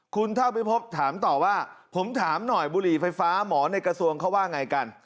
คุณเท่าพิพบถามต่อว่าผมถามหน่อยบุหรี่ไฟฟ้าหมอในกระทรวงเขาว่าไงกัน